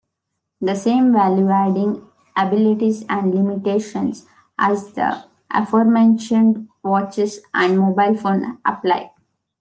The same value-adding abilities and limitations as the aforementioned watches and mobile phone apply.